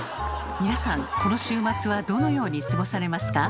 皆さんこの週末はどのように過ごされますか？